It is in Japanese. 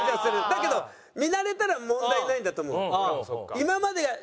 だけど見慣れたら問題ないんだと思う。